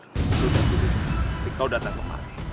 sudah tidur mesti kau datang kemari